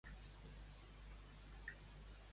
Mare, cal que posi el rentaplats ara mateix?